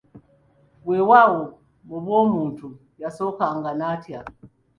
Weewaawo mu bw'omuntu yasookanga n'atya.